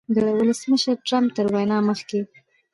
د ولسمشر ټرمپ تر وینا مخکې